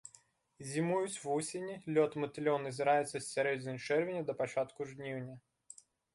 Зімуюць вусені, лёт матылёў назіраецца з сярэдзіны чэрвеня да пачатку жніўня.